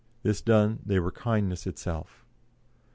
This done, they were kindness itself."